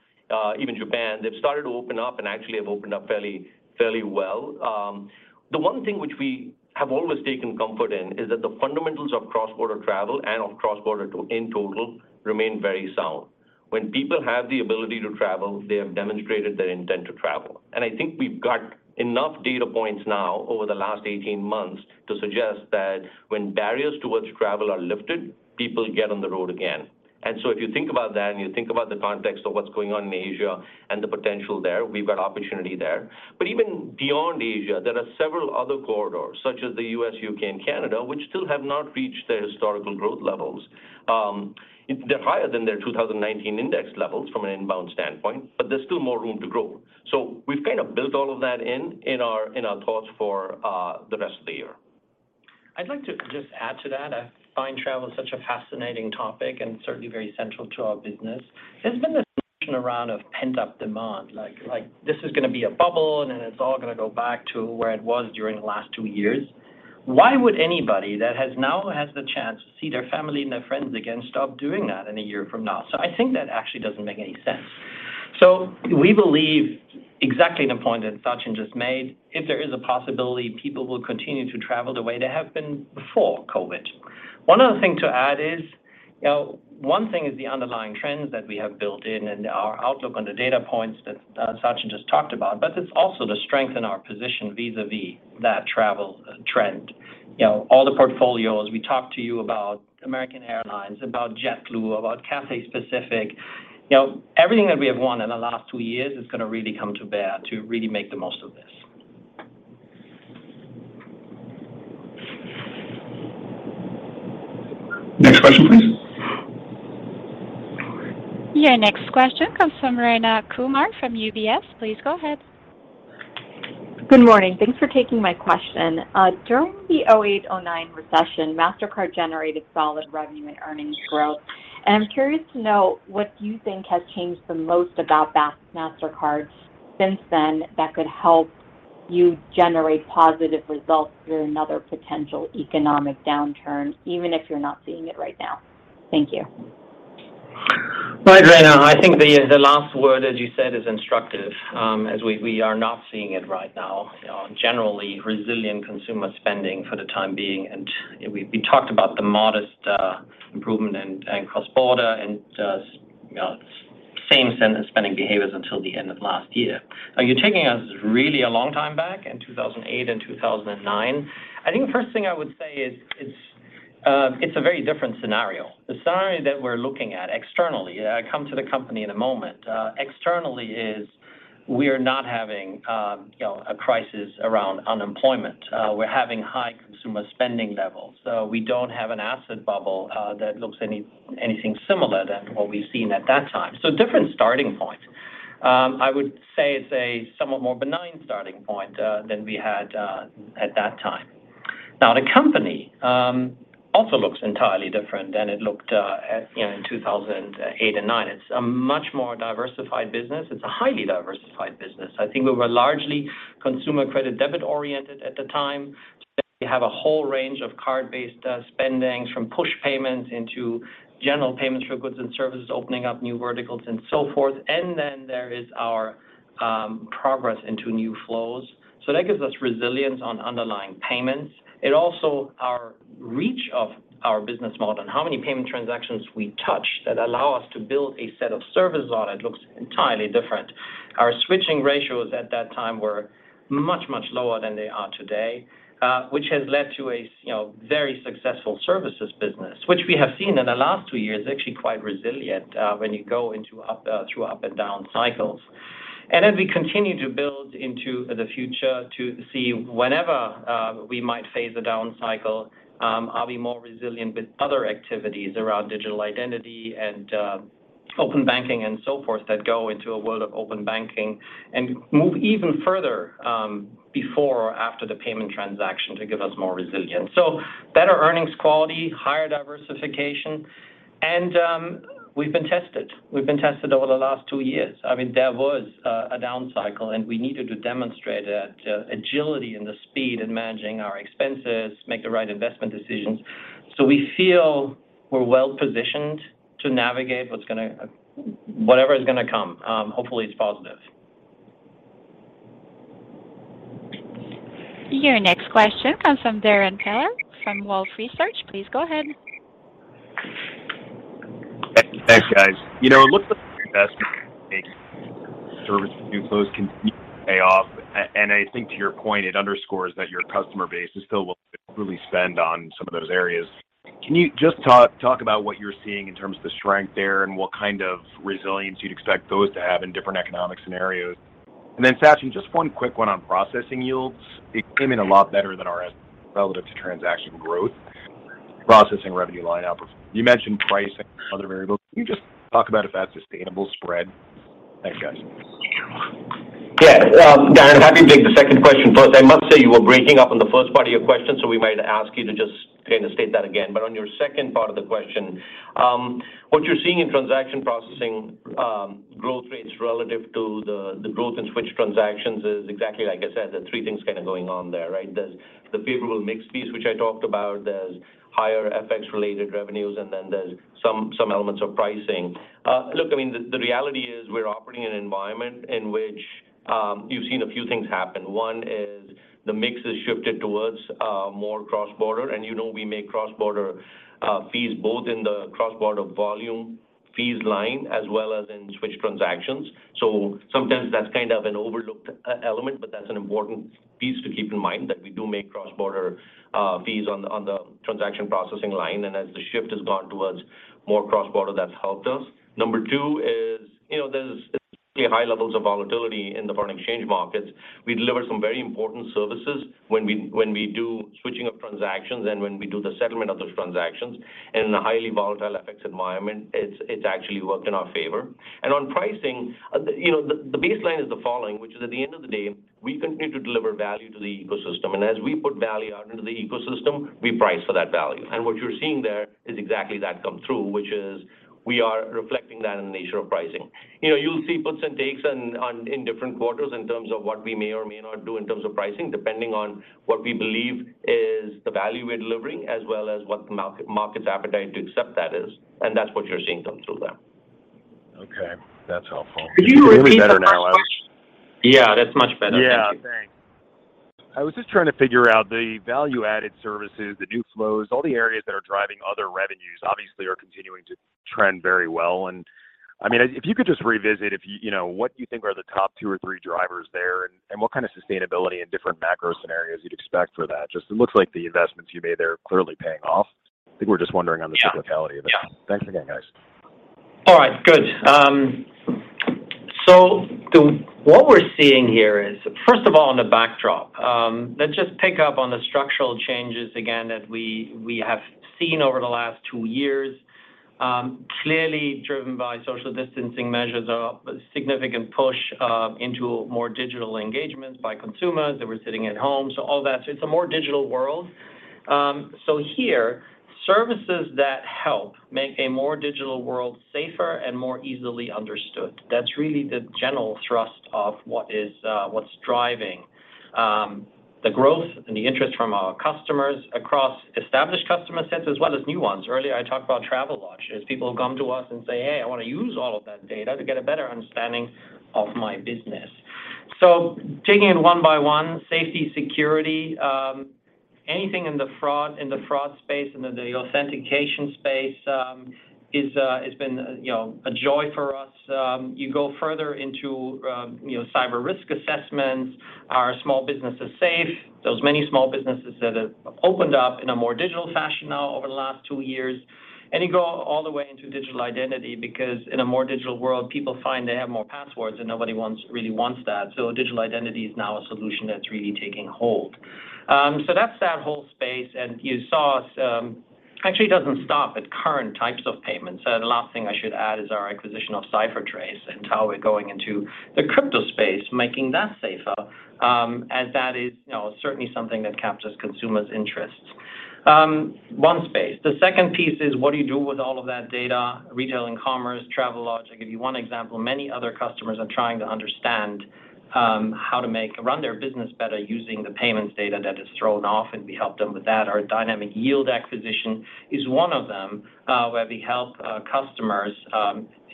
even Japan, they've started to open up and actually have opened up fairly well. The one thing which we have always taken comfort in is that the fundamentals of cross-border travel and of cross-border in total remain very sound. When people have the ability to travel, they have demonstrated their intent to travel. I think we've got enough data points now over the last 18 months to suggest that when barriers towards travel are lifted, people get on the road again. If you think about that and you think about the context of what's going on in Asia and the potential there, we've got opportunity there. Even beyond Asia, there are several other corridors such as the U.S., U.K., and Canada, which still have not reached their historical growth levels. They're higher than their 2019 index levels from an inbound standpoint, but there's still more room to grow. We've kind of built all of that in our thoughts for the rest of the year. I'd like to just add to that. I find travel such a fascinating topic and certainly very central to our business. There's been this notion around of pent-up demand, like this is gonna be a bubble, and then it's all gonna go back to where it was during the last two years. Why would anybody that now has the chance to see their family and their friends again stop doing that in a year from now? I think that actually doesn't make any sense. We believe exactly the point that Sachin just made. If there is a possibility, people will continue to travel the way they have been before COVID. One other thing to add is, you know, one thing is the underlying trends that we have built in and our outlook on the data points that, Sachin just talked about, but it's also the strength in our position vis-à-vis that travel trend. You know, all the portfolios, we talked to you about American Airlines, about JetBlue, about Cathay Pacific. You know, everything that we have won in the last two years is gonna really come to bear to really make the most of this. Next question, please. Your next question comes from Rayna Kumar from UBS. Please go ahead. Good morning. Thanks for taking my question. During the 2008, 2009 recession, Mastercard generated solid revenue and earnings growth, and I'm curious to know what you think has changed the most about Mastercard since then that could help you generate positive results through another potential economic downturn, even if you're not seeing it right now. Thank you. Right, Rayna. I think the last word, as you said, is instructive, as we are not seeing it right now, you know, generally resilient consumer spending for the time being. We talked about the modest improvement in cross-border and, you know, same spending behaviors until the end of last year. Now you're taking us really a long time back in 2008 and 2009. I think the first thing I would say is it's a very different scenario. The scenario that we're looking at externally, and I'll come to the company in a moment, externally is we are not having, you know, a crisis around unemployment. We're having high consumer spending levels. We don't have an asset bubble that looks anything similar than what we've seen at that time. Different starting point. I would say it's a somewhat more benign starting point than we had at that time. Now the company also looks entirely different than it looked at, you know, in 2008 and 2009. It's a much more diversified business. It's a highly diversified business. I think we were largely consumer credit debit oriented at the time. Today we have a whole range of card-based spending from push payments into general payments for goods and services, opening up new verticals and so forth. There is our progress into new flows. That gives us resilience on underlying payments. It also our reach of our business model and how many payment transactions we touch that allow us to build a set of services on it looks entirely different. Our switching ratios at that time were much, much lower than they are today, which has led to a, you know, very successful services business, which we have seen in the last two years actually quite resilient, when you go into up through up and down cycles. As we continue to build into the future to see whenever we might face a down cycle, are we more resilient with other activities around digital identity and open banking and so forth that go into a world of open banking and move even further before or after the payment transaction to give us more resilience. Better earnings quality, higher diversification, and we've been tested. We've been tested over the last two years. I mean, there was a down cycle, and we needed to demonstrate that agility and the speed in managing our expenses, make the right investment decisions. We feel we're well positioned to navigate whatever is gonna come. Hopefully it's positive. Your next question comes from Darrin Peller from Wolfe Research. Please go ahead. Thanks, guys. You know, it looks like the investments in services and new flows can pay off. I think to your point, it underscores that your customer base is still willing to really spend on some of those areas. Can you just talk about what you're seeing in terms of the strength there and what kind of resilience you'd expect those to have in different economic scenarios? Sachin, just one quick one on processing yields. It came in a lot better than consensus relative to transaction growth, processing revenue line item. You mentioned pricing and other variables. Can you just talk about if that's sustainable spread? Thanks, guys. Yeah. Darrin, happy to take the second question first. I must say you were breaking up on the first part of your question, so we might ask you to just kind of state that again. On your second part of the question, what you're seeing in transaction processing, growth rates relative to the growth in switch transactions is exactly like I said, the three things kind of going on there, right? There's the favorable mix piece, which I talked about. There's higher FX-related revenues, and then there's some elements of pricing. Look, I mean, the reality is we're operating in an environment in which you've seen a few things happen. One is the mix has shifted towards more cross-border, and you know, we make cross-border fees both in the cross-border volume fees line as well as in switch transactions. Sometimes that's kind of an overlooked element, but that's an important piece to keep in mind that we do make cross-border fees on the transaction processing line. As the shift has gone towards more cross-border, that's helped us. Number two is, you know, there's extremely high levels of volatility in the foreign exchange markets. We deliver some very important services when we do switching of transactions and when we do the settlement of those transactions. In a highly volatile FX environment, it's actually worked in our favor. On pricing, you know, the baseline is the following, which is at the end of the day, we continue to deliver value to the ecosystem. As we put value out into the ecosystem, we price for that value. What you're seeing there is exactly that come through, which is we are reflecting that in the nature of pricing. You know, you'll see puts and takes on in different quarters in terms of what we may or may not do in terms of pricing, depending on what we believe is the value we're delivering as well as what the market's appetite to accept that is, and that's what you're seeing come through there. Okay. That's helpful. Could you repeat the first part? Hear you better now. Yeah, that's much better. Thank you. Yeah. Thanks. I was just trying to figure out the value-added services, the new flows, all the areas that are driving other revenues obviously are continuing to trend very well. I mean, if you could just revisit, you know, what you think are the top two or three drivers there and what kind of sustainability and different macro scenarios you'd expect for that. Just it looks like the investments you made there are clearly paying off. I think we're just wondering on the cyclicality of it. Yeah. Yeah. Thanks again, guys. All right. Good. What we're seeing here is first of all, in the backdrop, let's just pick up on the structural changes again that we have seen over the last two years, clearly driven by social distancing measures, a significant push into more digital engagements by consumers. They were sitting at home, so all that. It's a more digital world. Here, services that help make a more digital world safer and more easily understood, that's really the general thrust of what's driving the growth and the interest from our customers across established customer sets as well as new ones. Earlier I talked about Travelodge, as people come to us and say, "Hey, I want to use all of that data to get a better understanding of my business." Taking it one by one, safety, security, anything in the fraud space and the authentication space has been, you know, a joy for us. You go further into, you know, cyber risk assessments. Are small businesses safe? Those many small businesses that have opened up in a more digital fashion now over the last two years. You go all the way into digital identity because in a more digital world, people find they have more passwords, and nobody really wants that. Digital identity is now a solution that's really taking hold. That's that whole space. You saw us, actually it doesn't stop at current types of payments. The last thing I should add is our acquisition of CipherTrace and how we're going into the crypto space, making that safer, as that is, you know, certainly something that captures consumers' interests. One space. The second piece is what do you do with all of that data? Retail and commerce, Travelodge. I'll give you one example. Many other customers are trying to understand how to run their business better using the payments data that is thrown off, and we help them with that. Our Dynamic Yield acquisition is one of them, where we help customers,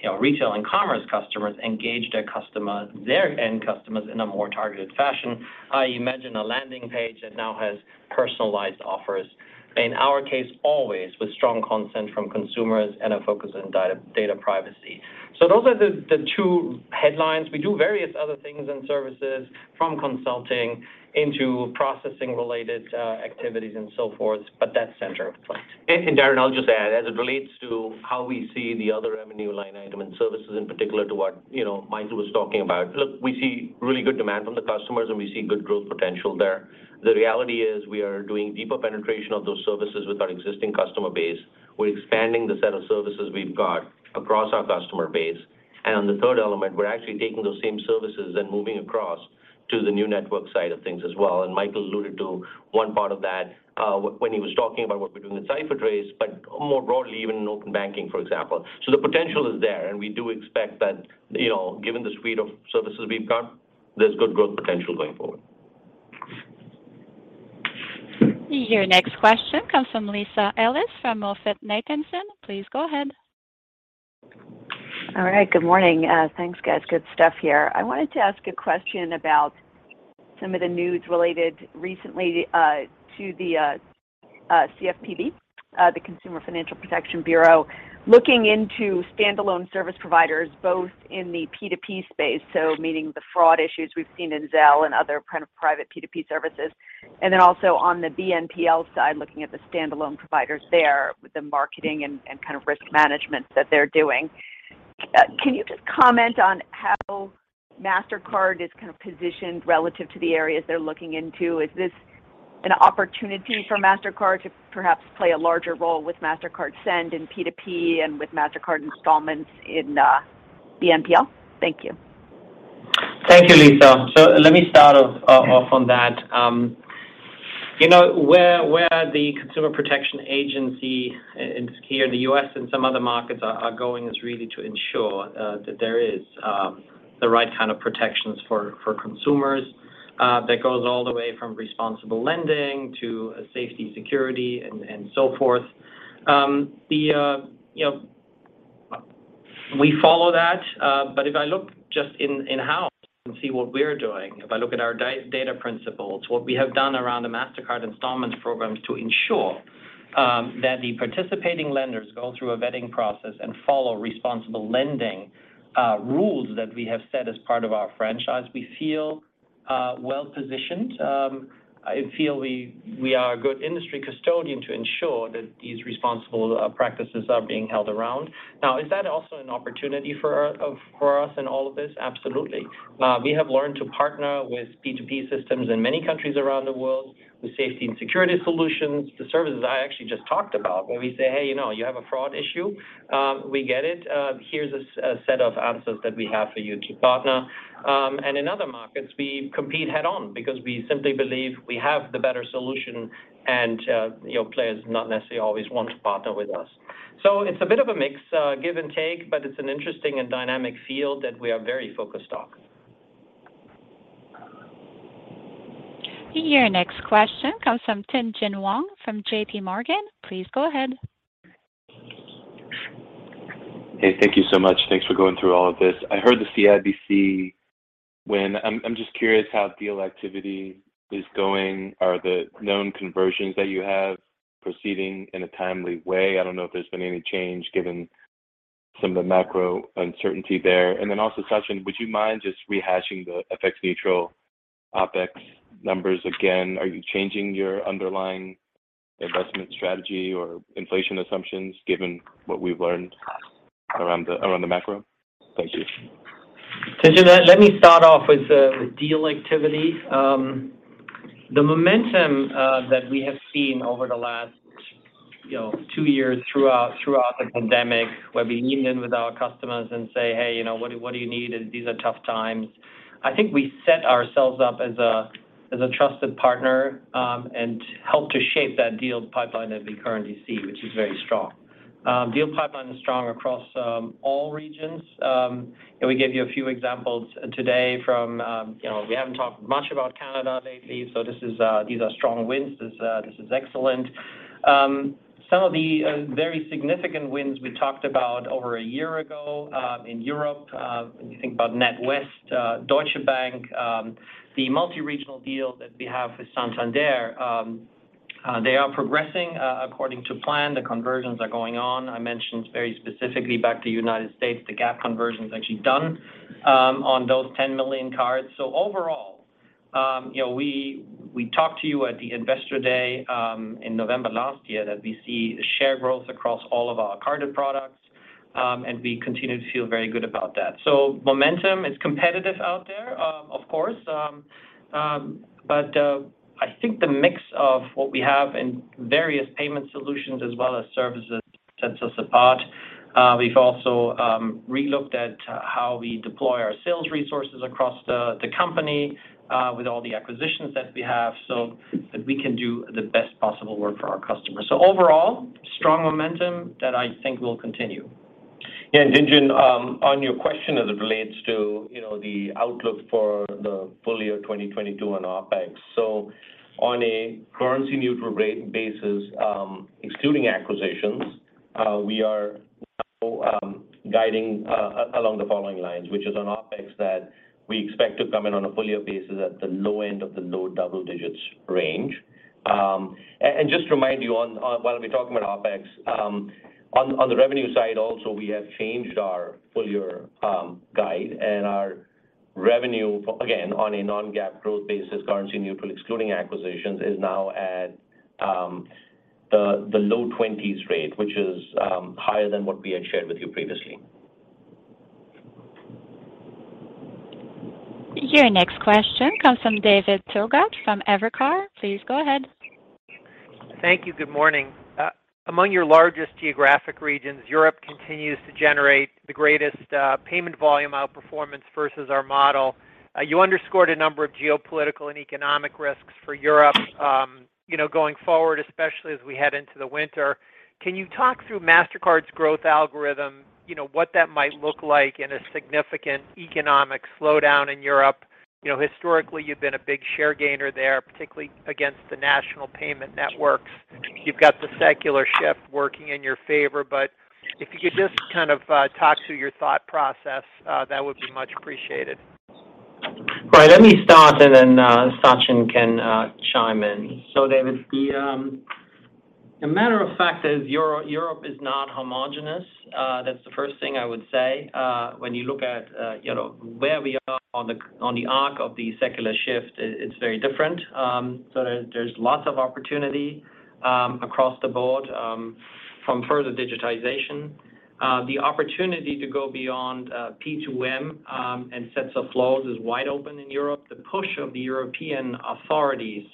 you know, retail and commerce customers engage their customer, their end customers in a more targeted fashion. I imagine a landing page that now has personalized offers. In our case, always with strong consent from consumers and a focus on data privacy. Those are the two headlines. We do various other things and services from consulting into processing related activities and so forth, but that's center of place. Darrin, I'll just add, as it relates to how we see the other revenue line item and services in particular to what, you know, Michael was talking about, look, we see really good demand from the customers, and we see good growth potential there. The reality is we are doing deeper penetration of those services with our existing customer base. We're expanding the set of services we've got across our customer base. On the third element, we're actually taking those same services then moving across to the new network side of things as well. Michael alluded to one part of that, when he was talking about what we're doing with CipherTrace, but more broadly, even in open banking, for example. The potential is there, and we do expect that, you know, given the suite of services we've got, there's good growth potential going forward. Your next question comes from Lisa Ellis from MoffettNathanson. Please go ahead. All right. Good morning. Thanks guys, good stuff here. I wanted to ask a question about some of the news related recently to the CFPB, the Consumer Financial Protection Bureau looking into standalone service providers both in the P2P space. Meaning the fraud issues we've seen in Zelle and other kind of private P2P services. And then also on the BNPL side, looking at the standalone providers there with the marketing and kind of risk management that they're doing. Can you just comment on how Mastercard is kind of positioned relative to the areas they're looking into? Is this an opportunity for Mastercard to perhaps play a larger role with Mastercard Send in P2P and with Mastercard Installments in BNPL? Thank you. Thank you, Lisa. Let me start off on that. You know, where the Consumer Protection Agency here in the U.S. and some other markets are going is really to ensure that there is the right kind of protections for consumers. That goes all the way from responsible lending to safety, security and so forth. You know, we follow that. But if I look just in-house and see what we are doing, if I look at our data principles, what we have done around the Mastercard Installments programs to ensure that the participating lenders go through a vetting process and follow responsible lending rules that we have set as part of our franchise, we feel well-positioned. I feel we are a good industry custodian to ensure that these responsible practices are being held around. Now, is that also an opportunity for us in all of this? Absolutely. We have learned to partner with P2P systems in many countries around the world with safety and security solutions. The services I actually just talked about where we say, "Hey, you know, you have a fraud issue, we get it. Here's a set of answers that we have for you to partner." In other markets we compete head on because we simply believe we have the better solution and, you know, players not necessarily always want to partner with us. It's a bit of a mix, give and take, but it's an interesting and dynamic field that we are very focused on. Your next question comes from Tien-Tsin Huang from JPMorgan. Please go ahead. Hey, thank you so much. Thanks for going through all of this. I heard the CIBC. I'm just curious how deal activity is going. Are the known conversions that you have proceeding in a timely way? I don't know if there's been any change given some of the macro uncertainty there. Also Sachin, would you mind just rehashing the FX neutral OpEx numbers again? Are you changing your underlying investment strategy or inflation assumptions given what we've learned around the macro? Thank you. Tien-Tsin, let me start off with the deal activity. The momentum that we have seen over the last, you know, two years throughout the pandemic, where we leaned in with our customers and say, "Hey, you know what do you need? These are tough times." I think we set ourselves up as a trusted partner and helped to shape that deal pipeline that we currently see, which is very strong. Deal pipeline is strong across all regions. We gave you a few examples today from, you know, we haven't talked much about Canada lately, so this is, these are strong wins. This is excellent. Some of the very significant wins we talked about over a year ago in Europe, when you think about NatWest, Deutsche Bank, the multi-regional deal that we have with Santander, they are progressing according to plan. The conversions are going on. I mentioned very specifically back to United States, the GAAP conversion is actually done on those 10 million cards. Overall, you know, we talked to you at the Investor Day in November last year that we see share growth across all of our carded products, and we continue to feel very good about that. Momentum, it's competitive out there, of course. But I think the mix of what we have in various payment solutions as well as services sets us apart. We've also re-looked at how we deploy our sales resources across the company with all the acquisitions that we have so that we can do the best possible work for our customers. Overall, strong momentum that I think will continue. Tien-Tsin, on your question as it relates to, you know, the outlook for the full year 2022 on OpEx. On a currency neutral rate basis, excluding acquisitions, we are now guiding along the following lines, which is on OpEx that we expect to come in on a full year basis at the low end of the low double-digits range. And just remind you on, while we're talking about OpEx, on the revenue side also, we have changed our full year guide and our revenue, again, on a non-GAAP growth basis, currency neutral excluding acquisitions, is now at the low twenties rate, which is higher than what we had shared with you previously. Your next question comes from David Togut from Evercore. Please go ahead. Thank you. Good morning. Among your largest geographic regions, Europe continues to generate the greatest payment volume outperformance versus our model. You underscored a number of geopolitical and economic risks for Europe, you know, going forward, especially as we head into the winter. Can you talk through Mastercard's growth algorithm, you know, what that might look like in a significant economic slowdown in Europe? You know, historically, you've been a big share gainer there, particularly against the national payment networks. You've got the secular shift working in your favor, but if you could just kind of talk through your thought process, that would be much appreciated. Right. Let me start and then, Sachin can chime in. David, the matter of fact is Europe is not homogeneous. That's the first thing I would say, when you look at, you know, where we are on the arc of the secular shift, it's very different. There's lots of opportunity across the board from further digitization. The opportunity to go beyond P2M and asset flows is wide open in Europe. The push of the European authorities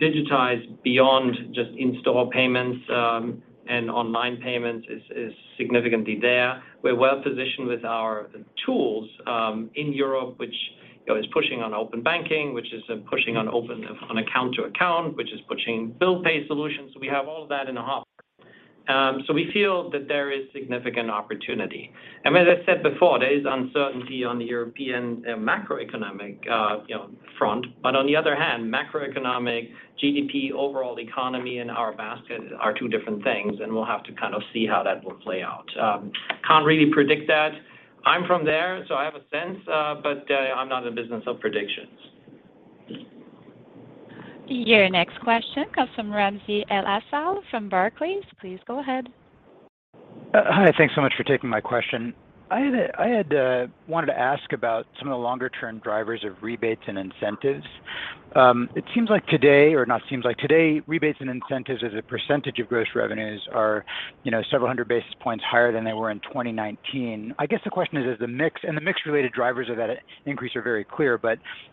to digitize beyond just in-store payments and online payments is significantly there. We're well positioned with our tools in Europe, which, you know, is pushing on open banking, which is pushing on account-to-account, which is pushing bill pay solutions. We have all of that in a hub. We feel that there is significant opportunity. As I said before, there is uncertainty on the European, macroeconomic, you know, front. On the other hand, macroeconomic GDP overall economy and our basket are two different things, and we'll have to kind of see how that will play out. Can't really predict that. I'm from there, so I have a sense, but I'm not in the business of predictions. Your next question comes from Ramsey El-Assal from Barclays. Please go ahead. Hi, thanks so much for taking my question. I had wanted to ask about some of the longer term drivers of rebates and incentives. It seems like today, rebates and incentives as a percentage of gross revenues are, you know, several hundred basis points higher than they were in 2019. I guess the question is the mix, and the mix-related drivers of that increase are very clear.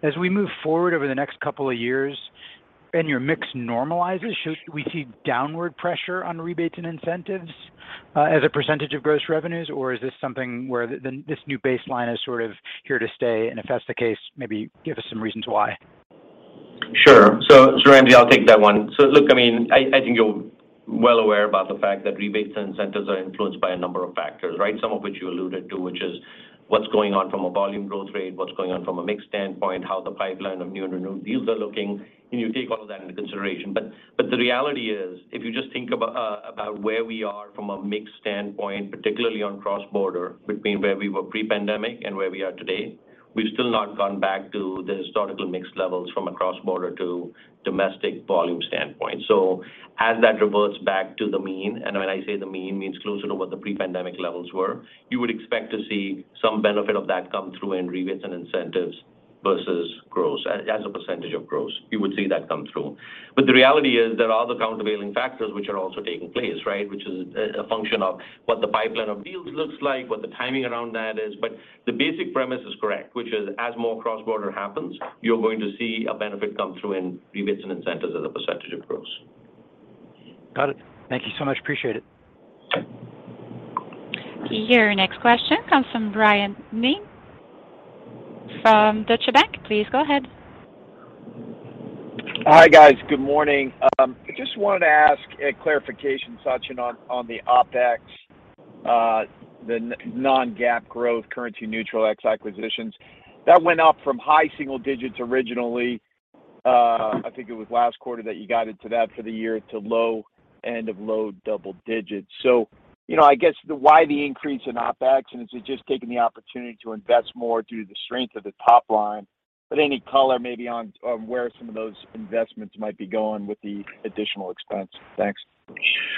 As we move forward over the next couple of years and your mix normalizes, should we see downward pressure on rebates and incentives as a percentage of gross revenues? Or is this something where this new baseline is sort of here to stay? If that's the case, maybe give us some reasons why. Sure. Ramsey, I'll take that one. Look, I mean, I think you're well aware about the fact that rebates and incentives are influenced by a number of factors, right? Some of which you alluded to, which is what's going on from a volume growth rate, what's going on from a mix standpoint, how the pipeline of new and renewed deals are looking, and you take all of that into consideration. But the reality is, if you just think about where we are from a mix standpoint, particularly on cross-border between where we were pre-pandemic and where we are today, we've still not gone back to the historical mix levels from a cross-border to domestic volume standpoint. As that reverts back to the mean, and when I say the mean, I mean closer to what the pre-pandemic levels were, you would expect to see some benefit of that come through in rebates and incentives versus gross. As a percentage of gross, you would see that come through. The reality is there are other countervailing factors which are also taking place, right? Which is a function of what the pipeline of deals looks like, what the timing around that is. The basic premise is correct, which is as more cross-border happens, you're going to see a benefit come through in rebates and incentives as a percentage of gross. Got it. Thank you so much. Appreciate it. Your next question comes from Bryan Keane from Deutsche Bank. Please go ahead. Hi, guys. Good morning. I just wanted to ask a clarification, Sachin, on the OpEx, the non-GAAP growth, currency neutral ex acquisitions. That went up from high single digits originally. I think it was last quarter that you guided to that for the year to low end of low double digits. You know, I guess why the increase in OpEx, and is it just taking the opportunity to invest more due to the strength of the top line? Any color maybe on where some of those investments might be going with the additional expense? Thanks.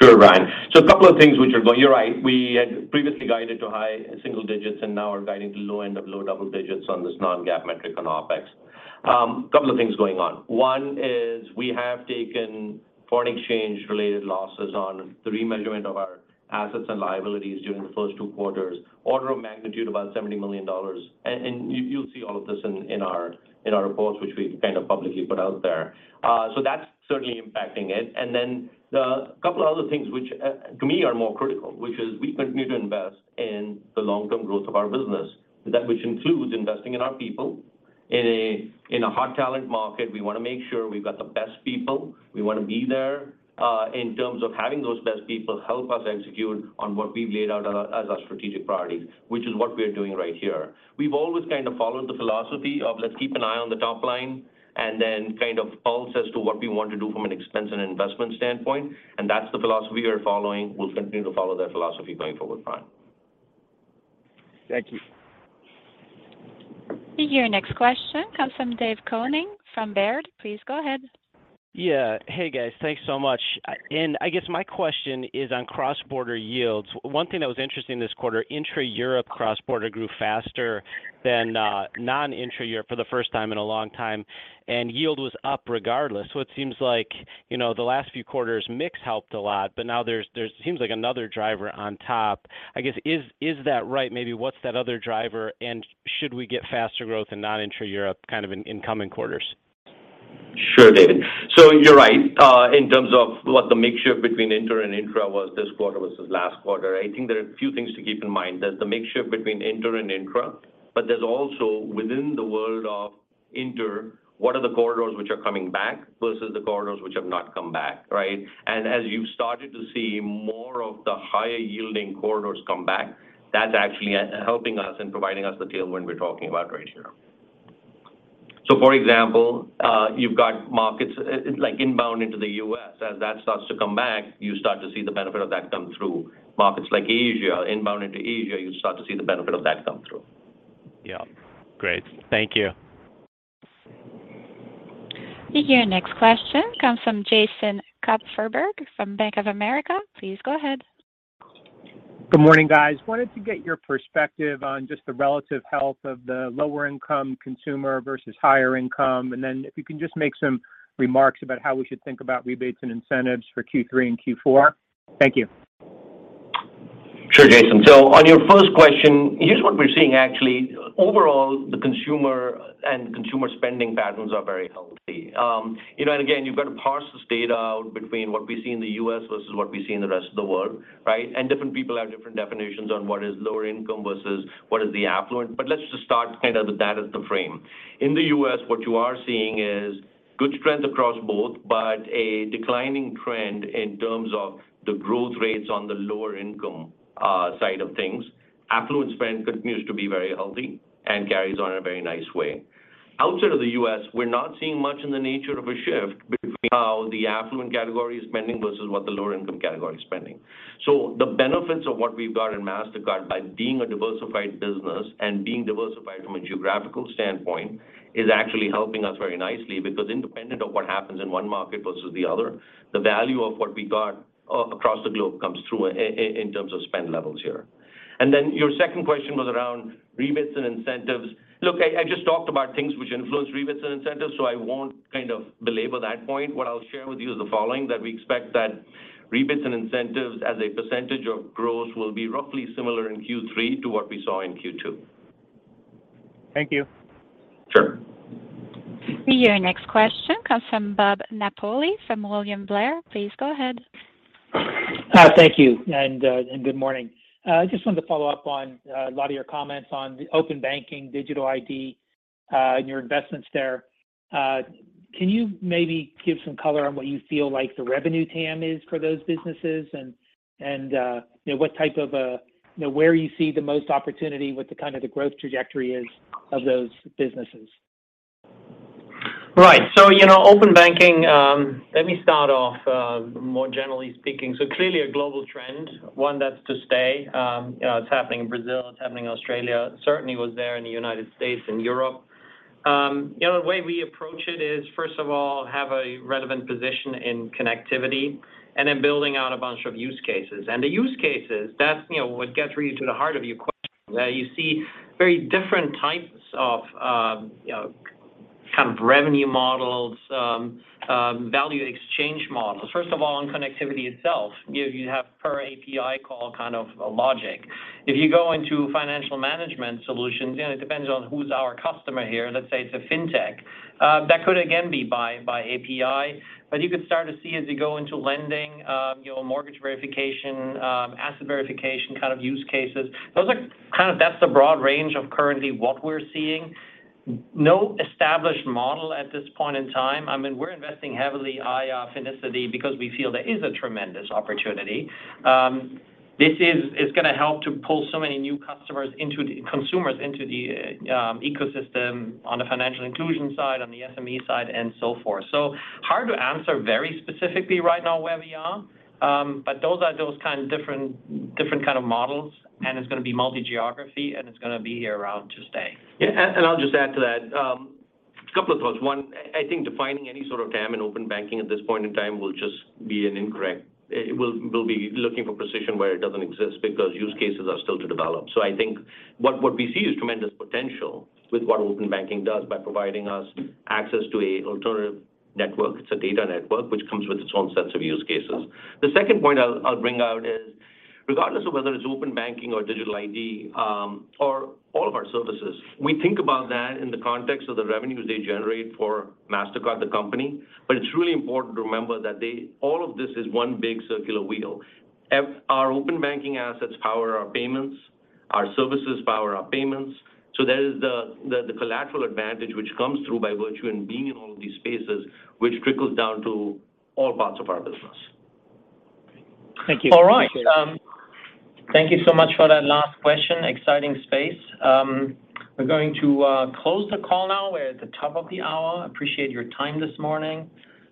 Sure, Bryan. A couple of things. You're right. We had previously guided to high single digits and now are guiding to low end of low double digits on this non-GAAP metric on OpEx. Couple of things going on. One is we have taken foreign exchange related losses on the remeasurement of our assets and liabilities during the first two quarters, order of magnitude about $70 million. And you will see all of this in our reports, which we kind of publicly put out there. So that's certainly impacting it. The couple other things which to me are more critical, which is we continue to invest in the long-term growth of our business, that which includes investing in our people. In a hot talent market, we wanna make sure we've got the best people. We wanna be there in terms of having those best people help us execute on what we've laid out as our strategic priorities, which is what we are doing right here. We've always kind of followed the philosophy of let's keep an eye on the top line and then kind of pulse as to what we want to do from an expense and investment standpoint, and that's the philosophy we are following. We'll continue to follow that philosophy going forward, Bryan. Thank you. Your next question comes from David Koning from Baird. Please go ahead. Yeah. Hey, guys. Thanks so much. I guess my question is on cross-border yields. One thing that was interesting this quarter, intra-Europe cross-border grew faster than non-intra-Europe for the first time in a long time, and yield was up regardless. It seems like, you know, the last few quarters mix helped a lot, but now there's seems like another driver on top. I guess, is that right? Maybe what's that other driver? Should we get faster growth in non-intra-Europe kind of in coming quarters? Sure, David. You're right. In terms of what the mixture between inter and intra was this quarter versus last quarter, I think there are a few things to keep in mind. There's the mixture between inter and intra, but there's also within the world of inter what are the corridors which are coming back versus the corridors which have not come back, right? You've started to see more of the higher yielding corridors come back, that's actually helping us and providing us the tailwind we're talking about right here. For example, you've got markets, like, inbound into the U.S. As that starts to come back, you start to see the benefit of that come through. Markets like Asia, inbound into Asia, you start to see the benefit of that come through. Yeah. Great. Thank you. Your next question comes from Jason Kupferberg from Bank of America. Please go ahead. Good morning, guys. Wanted to get your perspective on just the relative health of the lower-income consumer versus higher-income, and then if you can just make some remarks about how we should think about rebates and incentives for Q3 and Q4. Thank you. Sure, Jason. On your first question, here's what we're seeing actually. Overall, the consumer and consumer spending patterns are very healthy. You know, and again, you've got to parse this data out between what we see in the U.S. versus what we see in the rest of the world, right? Different people have different definitions on what is lower income versus what is the affluent. Let's just start kind of with that as the frame. In the U.S., what you are seeing is good trends across both, but a declining trend in terms of the growth rates on the lower income side of things. Affluent spend continues to be very healthy and carries on in a very nice way. Outside of the U.S., we're not seeing much in the nature of a shift between how the affluent category is spending versus what the lower income category is spending. The benefits of what we've got in Mastercard by being a diversified business and being diversified from a geographical standpoint is actually helping us very nicely because independent of what happens in one market versus the other, the value of what we got across the globe comes through in terms of spend levels here. Your second question was around rebates and incentives. Look, I just talked about things which influence rebates and incentives, so I won't kind of belabor that point. What I'll share with you is the following, that we expect that rebates and incentives as a percentage of growth will be roughly similar in Q3 to what we saw in Q2. Thank you. Sure. Your next question comes from Bob Napoli from William Blair. Please go ahead. Thank you and good morning. Just wanted to follow up on a lot of your comments on open banking, digital ID, your investments there. Can you maybe give some color on what you feel like the revenue TAM is for those businesses and, you know, what type of a, you know, where you see the most opportunity, what the kind of the growth trajectory is of those businesses? Right. You know, open banking, let me start off more generally speaking. Clearly a global trend, one that's to stay. It's happening in Brazil, it's happening in Australia. Certainly was there in the United States and Europe. You know, the way we approach it is, first of all, have a relevant position in connectivity and then building out a bunch of use cases. The use cases, that's, you know, what gets really to the heart of your question. You see very different types of, you know, kind of revenue models, value exchange models. First of all, on connectivity itself, you have per API call kind of logic. If you go into financial management solutions, you know, it depends on who's our customer here. Let's say it's a fintech. That could again be by API. You could start to see as you go into lending, you know, mortgage verification, asset verification kind of use cases. Those are kind of the broad range of currently what we're seeing. No established model at this point in time. I mean, we're investing heavily in Finicity because we feel there is a tremendous opportunity. This is gonna help to pull so many new consumers into the ecosystem on the financial inclusion side, on the SME side, and so forth. Hard to answer very specifically right now where we are. Those are kind of different kind of models, and it's gonna be multi-geography, and it's gonna be here to stay. Yeah, I'll just add to that. A couple of thoughts. One, I think defining any sort of TAM in open banking at this point in time will just be incorrect. We'll be looking for precision where it doesn't exist because use cases are still to develop. I think what we see is tremendous potential with what open banking does by providing us access to an alternative network. It's a data network which comes with its own sets of use cases. The second point I'll bring out is regardless of whether it's open banking or digital ID or all of our services, we think about that in the context of the revenues they generate for Mastercard the company. It's really important to remember that all of this is one big circular wheel. Our open banking assets power our payments, our services power our payments. There is the collateral advantage which comes through by virtue of being in all of these spaces, which trickles down to all parts of our business. Thank you. All right. Thank you so much for that last question. Exciting space. We're going to close the call now. We're at the top of the hour. Appreciate your time this morning.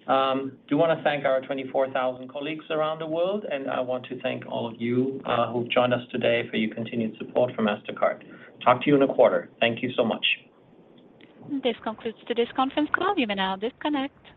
Do wanna thank our 24,000 colleagues around the world, and I want to thank all of you who've joined us today for your continued support for Mastercard. Talk to you in a quarter. Thank you so much. This concludes today's conference call. You may now disconnect.